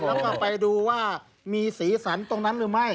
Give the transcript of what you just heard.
และก็ไปดูว่ามีศรีศรัทธิ์ตรงนั้นหรือไม่